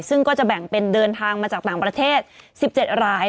ซึ่งก็จะแบ่งเป็นเดินทางมาจากต่างประเทศ๑๗ราย